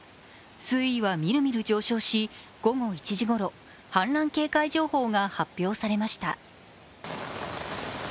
水位はみるみる上昇し午後１時頃氾濫警戒情報が発表されました。